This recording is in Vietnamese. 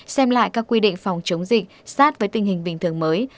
xem lại các quy định phòng chống dịch sát với tình hình bình thường mới